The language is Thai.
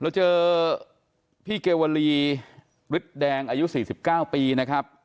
เราเจอพี่เกวลีฤทธิ์แดงอายุ๔๙ปีนะครับ